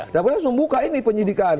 dan polisi harus membuka ini penyidikan